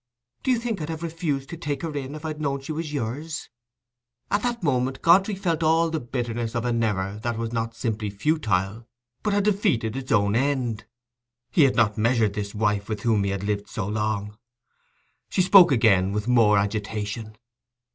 Do you think I'd have refused to take her in, if I'd known she was yours?" At that moment Godfrey felt all the bitterness of an error that was not simply futile, but had defeated its own end. He had not measured this wife with whom he had lived so long. But she spoke again, with more agitation.